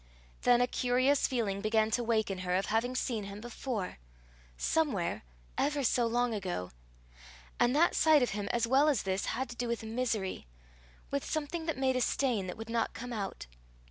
Then a curious feeling began to wake in her of having seen him before somewhere, ever so long ago and that sight of him as well as this had to do with misery with something that made a stain that would not come out.